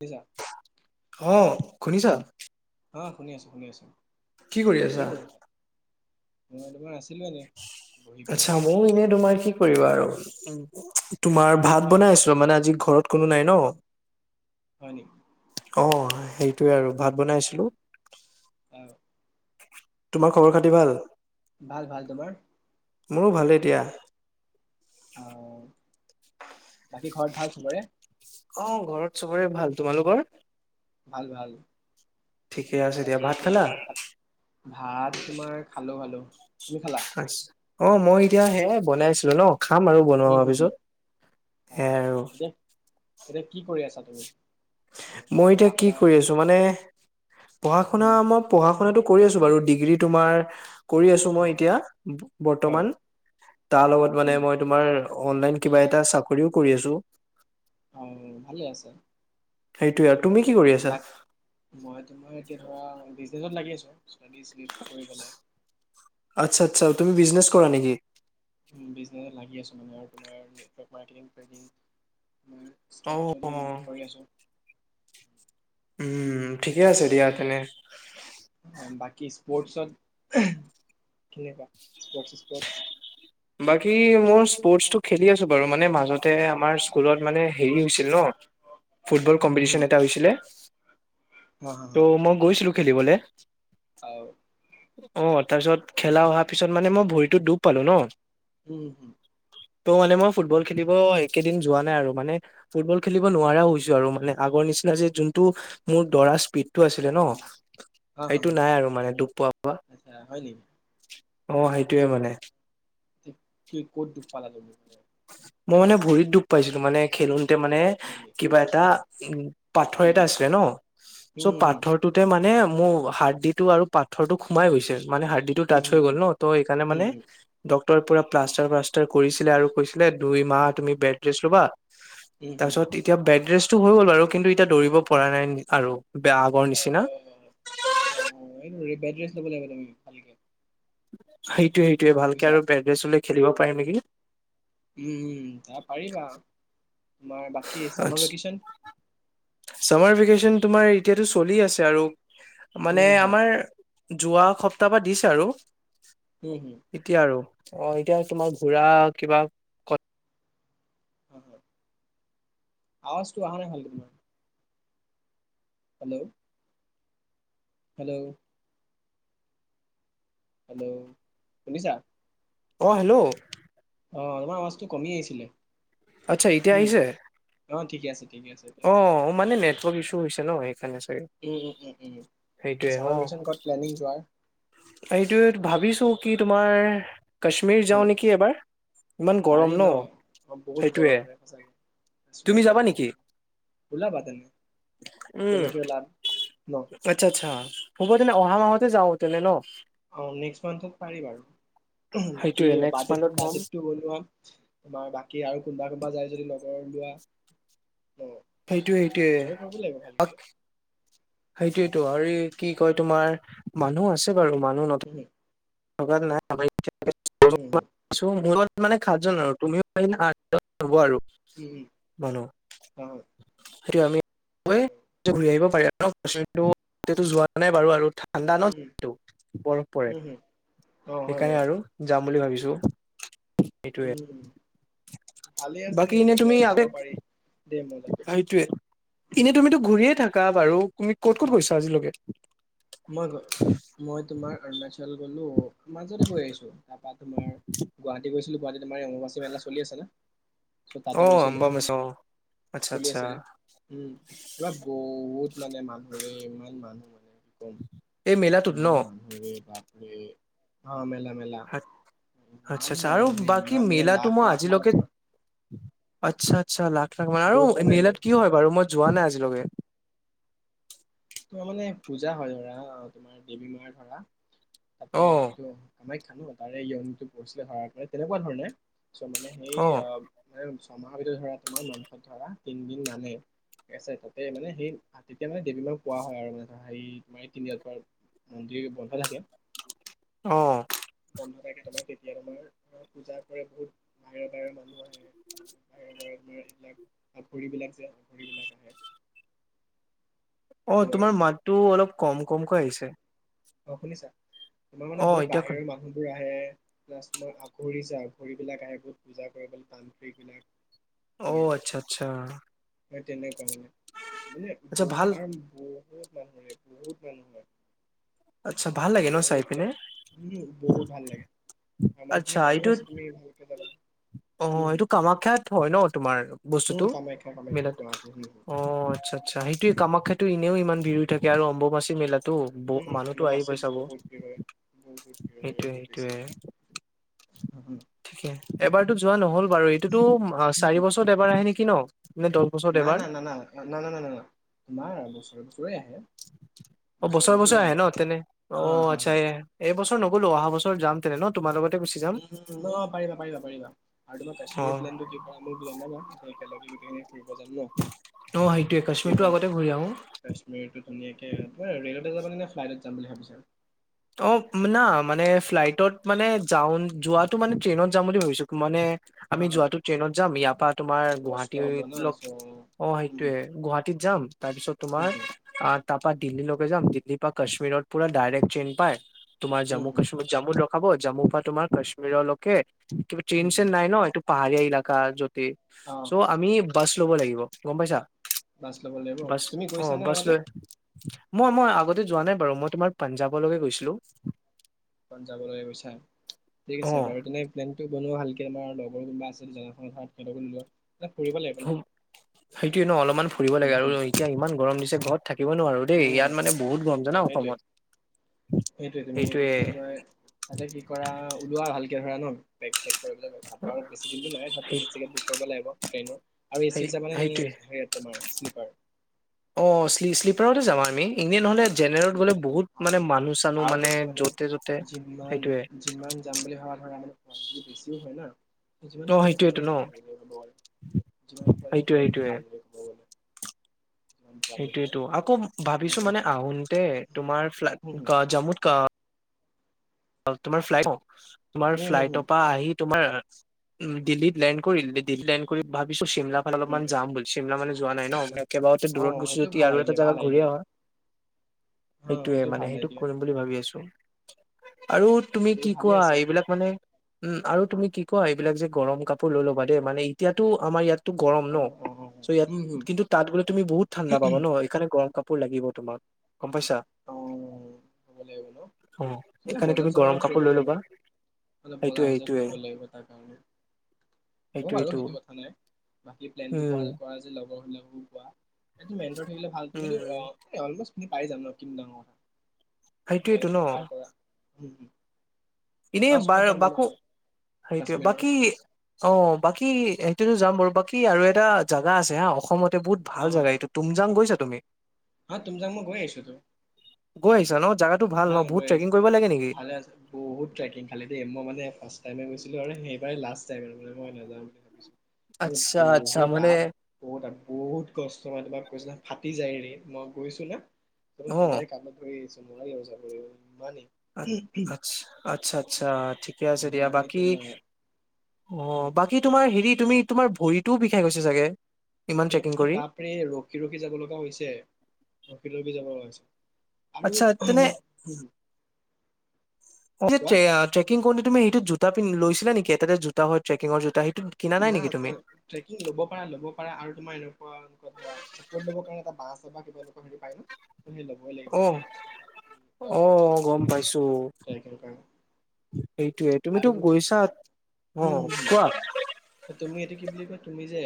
শুনিছা অ খুনিছা অ শুনি আছোঁ শুনি আছোঁ কি কৰি আছা মই তোমাৰ আছো আচ্ছা ময় এনে তোমাৰ কি কৰিবা আৰু উ তোমাৰ ভাত বনাই আহ আছো মানে আজি ঘৰত কোনো নাই ন হয় নি অ সেইটোয়ে আৰু ভাত আচ্ছা বনাইছিলো আহ তোমাৰ খবৰ খাতি ভাল ভাল ভাল তোমাৰ মোৰো ভালেই দিয়া আহ বাকী ঘৰত ভাল চবৰে অ ঘৰত চবৰে ভাল তোমালোকৰ ভাল ভাল ঠিকেই আছে দিয়া বাকী ভাত এই খালা ভাত তোমাৰ খালোঁ খালোঁ আচ্ছা অ মই এতিয়া হে বনাইছো ন খাম আৰু বনোৱা হম হোৱাৰ হম হম পিছত আহ সেয়াই আৰু এতিয়া এতিয়া কি কৰি আছা তুমি ধৰা মই এতিয়া পঢ়া কি শুনা কৰি আছো মানে পঢ়া শুনা উম, মই পঢ়া শু কৰি আছো বাৰু ডিগ্ৰী তোমাৰ কৰি আছো মই এতিয়া অ বৰ্তমান তাৰ লগত উম, মানে মই তোমাৰ অনলাইন কিবা এটা চাকৰিও কৰি আছো অ ভালে আছে সেইটোয়ে আৰু তুমি কি কৰি আছা বাক মই তোমাৰ এতিয়া ধৰা বিজনেচত লাগি আছো ষ্টডি শ্লিপ কৰি পেলাই আচ্ছা আচ্ছা তুমি বিজনেছ কৰা নিকি বিজনেছ এ লাগি আছো মানে আৰু তোমাৰ নেটৱৰ্ক মাৰ্কেটিং ট্ৰেডিঙ অ ষ্টকটোদি নিৰ্ভৰ কৰি আছোঁ উম ঠিকে আছে দিয়া তেনে বাকী স্পৰ্টছত কেনেকুৱা স্পৰ্টছ স্পৰ্টছ বাকী মোৰ স্পৰ্টছ টো খেলি আছে বাৰু মানে মাজতে আমাৰ স্কুলত মানে হেৰি হৈছিল ন ফুটবল কম্পিটিচন এটা হৈছিলে হা ত' মই গৈছিলো খেলিবলে অ অ তাৰ পিছত খেলা অহাৰ পিছত মানে মই ভৰিটো ডুব পালো ন হম হম ত' মানে মই ফুটবল খেলিব একেইদিন যোৱা নাই আৰু মানে ফুটবল খেলিব নোৱাৰা হৈছো আৰু মানে আগত নিচিনা যে যোনটো মোৰ দৰা স্পীড টো অ আছিলে ন হা হা এইটো হা নাই আৰু মানে দুখ পোৱা পোৱা আচ্ছা হয় নেকি অ সেইটোৱে মানে কি ক'ত দুক পালা তুমি মই মানে ভৰিত দুখ পাইছিলো মানে খেলোৰ মানে হয় নেকি কিবা এটা উম উ পাথৰ এটা উম আছিলে ন চ' হুম হুম পাথৰটোতে মানে মোৰ হাৰদি টো আৰু পাথৰটো সোমাই গৈছিল মানে হাৰ্ডি টো টাচ হৈ গ'ল ন ত সেইকাৰণে হুম হুম মানে হুম ডক্টৰে পুৰা প্লাষ্টাৰ প্লাষ্টাৰ কৰিছিলে আৰু যে অ দুইমাহ তুমি বেডৰেষ্ট লবা উম হুম তাপিছত এতিয়া বেড ৰেছটো হৈ গ'ল বাৰু কিন্তু এতিয়া দৌৰিব পৰা নাই আৰু বেয়া আমোৰ অ নিচিনা দেখোৱাব লাগিব তুমি ভালকে সেইটোয়ে সেইটোয়ে ভালকে বুজিছা আৰু বেডৰেস্ট ললে খেলিব পাৰিম নেকি উম উম তাৰ পাৰিবা তোমাৰ বাকী চামাৰ আছ ভেকেশ্যন চামাৰ ভেকচন তোমাৰ এতিয়ো চলি আছে আৰু মানে উম হুম আমাৰ যোৱা সপ্তাহ বা দিছে আৰু উম হুম এতিয়া আৰু অ এতিয়া তোমাৰ ঘূৰা কিবা ক অ আৱাজটো অহা নাই ভালকে তোমাৰ। হেল্লো' হেল্লো' হেল্লো' শুনিছা? অ হেল্লো'। অ তোমাৰ আৱাজটো কমি আহিছিলে, আচ্ছা এতিয়া আহিছে উম ঠিকে আছে ঠিকে আছে। এতিয়া অ মানে নেটৱৰ্ক ইছ্যু হৈছে ন সেইকাৰণে চাগে উম উম উ উন চামাৰ ভেকচন কত প্লেনিং যোৱাৰ? এইটো ভাবিছো কি তোমাৰ কাশ্মীৰ যাওঁ নেকি এবাৰ ইমান গৰম ন অ বহুত সেইটোৱে। গৰম ৰে সঁচাকে [unintelligible] ওলাবা তেনে উম একেলগে ওলাম ন আচ্ছা আচ্ছা। হব তেনে অহা মাহতে যাওঁ তেনে ন? অ নেক্সট মান্থত পাৰি বাৰু। বাকী সেইটোয়ে নেক্সট বাজেট মান্থত গম বাজেটটো বো আৰু তোমাৰ কি আৰু কোনোবা কোনোবা যায় যদি লগৰৰ লোৱা। ন সেইটোয়ে সেইটোয়ে। এনজয় কৰিব লাগিব ভালকে সেইটোয়টো আৰু কি কয় তোমাৰ মানুহ আছে বাৰু মানুহ নথাক উম উম উম [unintelligible] মানে সাতজন আৰু তুমিও পিলা আঠজন হব আৰু। উম হয়। সেইটো আমি হয় ঘূৰি আহিব পাৰি আৰু তেটো উম যোৱা নাই বাৰু আৰু ঠাণ্ডা ন হম তো বৰফ পৰে। উম হম অ হয় সেইকাৰণে বাৰু আৰু যাম বুলি ভাবিছো। সেইটোয়ে উম। ভালে আছে বাকী কিন্তু এনে তুমি এতিয়া যাব আবেগ পাৰি দেই মই সেইটোয়ে এনে তুমিতো ঘূৰিয়ে থাকা বাৰু তুমি ক'ত ক'ত গৈছা আজিলৈকে? মই মই তোমাৰ অৰুণাচল গলো। মাজতে গৈ আহিছো তাৰপা তোমাৰ গুৱাহাটী গৈছিলো। গুৱাহাটীত আমাৰ অমুবাচী মেলা চলি আছে ন চ' তাতে অ গৈছিলোঁ। অম্বুবাচী অ আচ্ছা চলি আচ্ছা আছিলে উম এইবাৰ বহুত মানে মানুহৰে ইমান মানুহ মানে ক'ম [unintelligible] ন ইমান মানুহৰে বাপৰে অ মেলা। মেলা আচ্ছা ইমান আচ্ছা আৰু মানুহৰে বাকী ইমান মানে মেলাটো লাখ মই লাখ আজিলৈকে মানুহ তোমাৰ। আচ্ছা আচ্ছা লাখ লাখ মান আৰু গৈ পোৱা নাই নি মেলাত কি হয় বাৰু মই যোৱা নাই আজিলৈকে। তোমাৰ মানে পূজা হয় ধৰা বা তোমাৰ দেৱী মাৰ ধৰা অ তাতে যোনটো অ [unintelligible] [unintelligible] ধৰা তিনদিন মানে আছে তাতে মে সেই তেতিয়া মানে দেৱী মা কোৱা হয় আৰু মানে হেৰি তমাৰ এই পৰা মন্দিৰ বন্ধ থাকে। অ'। ন্ধ তাৰখে তোমাৰ তেতিয়া তোমাৰ অ পূজা কৰে বহুত বাহিৰৰ বাহিৰৰ মানুহ আহে। [inaudible] তোমাৰ এইবিলাক [unintelligible] যে [unintelligible] বিলাক আহে। অ তোমাৰ মাতটো অলপ কম কমকৈ আহিছে। অ শুনিছা তোমাৰ মানে অ বহুত এতিয়া শুন বাহিৰৰ মানুহ বোৰ আহে। আহে প্লাছ তোমাৰ আঘৰি য আঘৰি বিলাক আহে বহুত পূজা কৰিবলৈ তান্ত্ৰিক বিলাক। অ, আচ্ছা - আচ্ছা। হয় তেনেকুৱা মানে - মানে আচ্ছা ভাল বহুত আৰু বহুত মানুহে বহুত মানুহ হয়। আচ্ছা ভাল লাগে ন চাই বহুত পিনে মানুহ উম, বহুত ভাল লাগে। আমাৰ আচ্ছা ফালে মানুহ এইটোত আছে তুমি ভালকে যাবা। অ, এইটো কামাখ্যাত হয় ন। তোমাৰ উম বস্তুটো কামাখ্যা ৱেল কামাখ্যা গুৱাহাটী উম উম অ, আচ্ছা- আচ্ছা সেইটোৱে কামাখ্যা কামাখ্যাটো ইণ এনেও ইমান ভিৰ হৈ থে আৰু অম্বুবাচী মেলাত। তো উম মানুহতো আহি অম্বুবাচীত [unintelligible] চাব বহুত ভিৰ হয় বহুত ভিৰ হয় সেইটোয়ে - বহুত সেইটোয়ে। বেছিকে [unintelligible] ঠিকে এবাৰতো যোৱা নহ'ল বাৰু এইটোতো চাৰি বছৰত এবাৰ আহে নেকি ন। নে দহ বছৰত ন- এবাৰ না- ন- না- ন - না - না- ন - না তোমাৰ বছৰে - বছৰে আহে। অ, বছৰে- বছৰে আহে ন তেনে অ, আচ্ছা এই এই বছৰ নগ'লো অহা বছৰ যাম তেনে ন তোমাৰ লগত। উম, অ, পাৰিবা - পাৰিবা - পাৰিবা আৰু তোমাৰ অ কাশ্মীৰ প্লেনটো কি কৰা মোৰ প্লেন [unintelligible] ফুৰিব যাম ন অ সেইটোয়ে কি কাশ্মীৰটো হয় আগতে ঘূৰি আহো কাশ্মীৰটো ধুনীয়াকে। [unintelligible] ট্ৰেইনত নে ফ্লাইটত যাম বুলি ভাবিছা। অ, না মানে ফ্লাইটত মানে যাও যোৱাটো মানে ট্ৰেইনত যাম বুলি ভাবিছো মানে। হা আমি হা যোৱাটো ট্ৰেইনত যাম ইয়াৰ পৰা তোমাৰ গুৱাহাটী কষ্ট হৈ হ'ব ন চ' [unintelligible] অ, উম সেইটোয়ে গুৱাহাটীত যাম তাৰপিছত তোমাৰ হুম হুম আ। তাৰ পৰা দিল্লীলৈকে যাম দিল্লীৰ পৰা কাশ্মীৰত পুৰা ডাইৰেক্ট ট্ৰেইন পাই তোমাৰ উম জম্মু হুম কশ্মীৰ জম্মু। হব জম্মু পৰা তোমাৰ কাশ্মীৰলৈকে কিবা ট্ৰেইন উম চ্ৰেইন হুম নাই নয় এইটো পাহাৰীয়া এলেকা য'ত। অ চ' আমি বাছ ল'ব লাগিব গম পাইছা। বাছ ল'ব লাগিব বাছ তুমি অ, গৈছানে আগতে বাছলৈ মই - মই আগতে যোৱা নাই বাৰু মই তোমাৰ পাঞ্জাৱলৈকে গৈছিলো। পঞ্জাবলৈকে গৈছা ঠিক অ আছে বাৰু তেনে প্লেনটো বনোৱা ভালকে আমাৰ লগৰ কোনোবা আছে [unintelligible] লাগিব ন সেইটো ন অলপমান ফুৰিব উম লাগে আৰু উম এতিয়া ইমান গৰম দিছে ঘৰত। থাকিব নোৱাৰো দেই ইয়াত উম মানে বহুত গৰম অ জানা সেইটোৱে অসমত। সেইটোৱে তুমি কি সেইটোয়ে বুলি কয় তাতে কি কৰা ওলোৱা ভালকে ধৰা ন বেগ চেগ। বেছি দিনটো নাই ধৰা সেই টিকট চিকেট বুক কৰিব লাগিব ট্ৰেইনৰ আৰু এ সেই- চিত যাবানে। সেইটোয়ে [unintelligible] নে শ্লিপাৰ। অ, শ্লিপাৰতে যাম আমি ইনে নহ'লে। জেনেৰেলত গ'লে বহুত মানে মানুহ চানুহ আৰু তুমি মানে য'তে ত'তে যিমান সেইটোয়ে - যিমান যাম বুলি ভাবা। ধৰা [unintelligible] যদি বেছিও হয় ন। যিমান ন' পাৰে সেইটোয়েতো সিমান ন' ভালদৰে ক'ব পাৰে - যিমান পাৰে সেইটোয়ে সিমান সেইটোয়ে ভালদৰে ক'ব গলে। যিমান পোৱালি হয় সেইটোৱেতো আকৌ হম ভাবিছো মানে আহোতে তোমাৰ হম ফ্লা জম্মুত। তোমাৰ ফ্লাইট তোমাৰ উম হম ফ্লাইট হম উম পৰা আহি। তোমাৰ উম, দিল্লীত লেণ্ড কৰিল দিল্লীত লেণ্ড কৰি ভাবিছো চিমলা ফালে অলপমান উম যাম বুলি চিমলা মানে যোৱা নাই ন মই একেবাওতে অ দূৰত গৈছো সেইটো যদি ভাল আৰু এটা আইডিয়া ভাল জাগা ঘূৰিয়েই আইডিয়া অহা। অ সেইটোৱে মানে ভাল সেইটো আইডিয়া কৰিম বুলি ভাবি আছো। আৰু তুমি কি আইডিয়াটো ভালে কোৱা আছে এইবিলাক মানে। উম, আৰু তুমি কি কোৱা এইবিলাক যে গৰম কাপোৰ লৈ ল'বা দেই মানে এতিয়াতো আমাৰ ইয়াত গৰম অ ন অ চ' ইয়াত হম হম কিন্তু তাত গোলে তুমি বহুত ঠাণ্ডা পাবা ন এইকাৰণে গৰম কাপোৰ লাগিব তোমাক গম পাইছা। অ কৰিব লাগিব ন মানে সেইকাৰণে বজাৰ তুমি চজাৰ গৰম অলপ কাপোৰ কৰিব লৈ লাগিব ল'বা অলপ বজাৰ সেইটোয়ে সজাৰ সেইটোয়ে কৰিব লাগিব তাৰ কাৰণে। হ'ব বাৰু সেইটোয়েইটো সেইটো কথা নাই বাকী প্লেনটো উম কৰা যে থাকিলে ভাল তুম এইটো উম অলমোষ্ট পাৰি যাম ন। কিন ডাঙৰ সেইটোয়েইটো ন [unintelligible] এনে ফাৰ্ষ্ট ক'ত বাৰ যাম বুলি বাকো ভাবিছা সেইটোৱে কাশ্মীৰৰ বাকি অ, বাকী এইটোতো যাম বাৰু বাকী আৰু এটা জাগা আছে হা অসমতে বহুত হা ভাল হা জাগা হা এইটো তুম যাম গৈছা? তুমি? হা তুমজাং মই গৈ আহিছোঁ তো। গৈ আহিছা ন? জাগাটো ভাল ন হ বহুত গৈ আছ ট্ৰেকিং কৰিব লাগে নেকি ভালে আছ বহুত ট্ৰেকিং। ভালে দে মানে ফাৰ্ষ্ট টাইমে গৈছিলোঁ আৰু সেইবেই লাষ্ট টাইম মান মই নাযাওঁ বুলি ভাবিছোঁ। মানে আচ্ছা আচ্ছা বহুত মানে আপ বহুত আপ বহুত কষ্ট মই তোমাক কৈছো ফাটি যায়ৰে মই গৈছো না চ অ সেইবাৰেই কানত ধৰি আহিছো মই ৰ যাব হয় আ- নেকি? আচ্ছা আচ্ছা আচ্ছা ঠিকে আছে দিয়া বাকী তোমাৰ অ' উম, বাকী তোমাৰ হেৰিত তুমি তোমাৰ ভৰিতটোও বিষাই গৈছে চাগে। ইমান ট্ৰেকিং কৰি বাপৰে ৰখি ৰখি যাব লগা হৈছে ৰখি ৰখি যাব লগা হৈছে। আৰু আচ্ছা তেনে ম যে ট্ৰেকিং তুমি সেইটো জোটা লৈছিলা নেকি এটাতে জোতা ট্ৰেকিঙৰ জোতা কিনা নাই জা নেকি জা তুমি ট্ৰেকিঙ লব পাৰা লব পাৰা আৰু তোমাৰ এনেকুৱা [unintelligible] ল'বই লাগিব অ দে অ গম [unintelligible] সেইটোৱে তুমিতো গৈছা। অ উম হম হম কোৱা তুমি এইতিটো কি বুলি কয় তুমি যে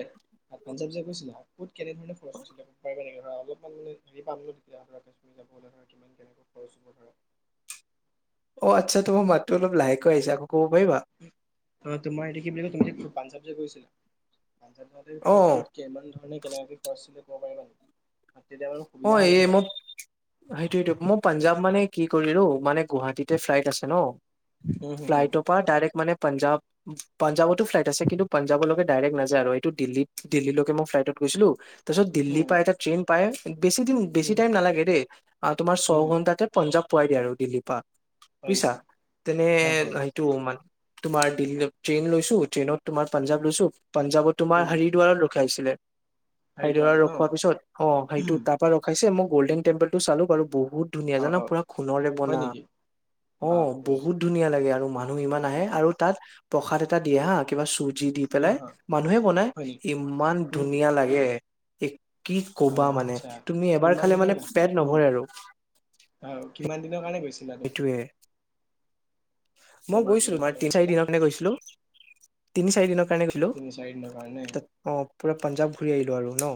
পাঞ্জাৱ যে গৈছিলা ক'ত কেনেধৰণ খৰচ হৈছিলে [unintelligible] নেকি ধৰা অলপমান মানে হেৰি পামনো তেতিয়া ধৰা কাশ্মীৰ যাবলে ধৰা কিমান কেনেকৈ খৰচ হ'ব ধৰা অ আচ্ছা তোমাৰ মাতটো অলপ লাহেকৈ আহিছা আকৌ ক'ব পাৰিবা তোমাৰ এটোয়া কি বুলি কয় তুমি পা পাঞ্জাৱ যে গৈছিলা। অ পানডক'ত কেইমান ধৰণে কেনেকাকে খৰচছিলে অ হ'ব এই ধৰা মই সেইটো সেইটো মই পাঞ্জাৱ মানে কি কৰিলো মানে গুৱাহাটীতে ফ্লাইট আছে ন, উম হম হম ফ্লাইটৰ পৰা ডাইৰেক্ট মানে পাঞ্জাৱ পাঞ্জাৱটো ফ্লাইট আছে কিন্তু পাঞ্জাৱলৈকে ডাইৰেক্ট নাযায় এইটো দিল্লীত দিল্লীলৈকে মই ফ্লাইটত গৈছিলো তাৰ পিছত উম দিল্লীৰ পৰা এটা ট্ৰেইন পায়। বেছি দিম বেছি হম টাইম নালাগে দেই তোমাৰ ছ হম হম ঘণ্টাতে পঞ্জাৱ পোৱাই দিয়া আৰু দিল্লীৰ পৰা। হয় নেকি বুজিছা তেনে অ হয় সেইটো তোমাৰ দিল্লী ট্ৰেইন লৈছো ট্ৰেইনত তোমাৰ উম পাঞ্জাৱ লৈছো, পাঞ্জাবত তোমাৰ উম হাৰিদোৰাত ৰখাইছিলে। হাৰিদ্বাৰ হৰিদোৱাৰ ন ৰখোৱাৰ পিছত অ সেইটো তাৰ পৰা ৰখাইছে মই গ'ল্ডেন টেম্পল টো চালো আৰু বহুত বহুত ধুনীয়া অ জানা অ পুৰা খোণৰৰে হয় বনা। নেকি অ বাপৰে বহুত ধুনীয়া লাগে আৰু মানুহ ইমান উম হুম আহে হুম আৰু তাত প্ৰসাদ এটা দিয়ে হা কিবা চুই যি দি হা পেলাই হা মানুহে বনাই হয় নেকি ইমান উম ধুনীয়া লাগে। কি কবা হয় মানে আচ্ছা তুমি এবাৰ কিমান খালে দিনৰ মানে কাৰণে পেট উম নভৰে আৰু আৰু কিমান দিনৰ কাৰণে গৈছিলা তুমি এইটোৱে। মই কিমান গৈছিলো দিনৰ [unintelligible] কাৰণে তিনি চাৰি গৈছিলা দিনৰ কাৰণনে গৈছিলো তিনি চাৰি দিন কাৰণে গৈছিলো তিনি চাৰি দিনৰ কাৰণে ত অ পুৰা আচ্ছা আচ্ছা পাঞ্জাৱ আচ্ছা ঘূৰি আহিলো আৰু ন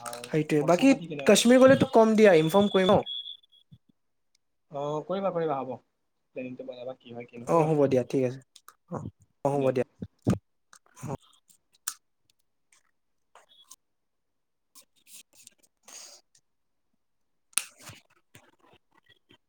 আৰু সেইটোৱে খৰচা বাকী পাতি কেনেকুৱা গ'ল কাশ্মীৰ গ'লেতো কম দিয়া ইনফৰ্ম কৰিম ন? অ কৰিবা কৰিবা হ'ব প্লেনিংটো বনাবা। কি হয় কি নহয় ন অ' হ'ব দিয়া ঠিক আছে অ' অ' হ'ব দিয়া অ'।